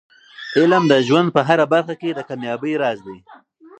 علم د ژوند په هره برخه کې د کامیابۍ راز دی.